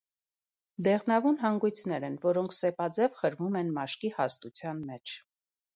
Դեղնավուն հանգույցներ են, որոնք սեպաձև խրվում են մաշկի հաստության մեջ։